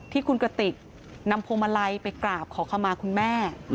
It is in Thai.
ที่คุณกติกนำพวงมาลัยไปกราบขอขมาคุณแม่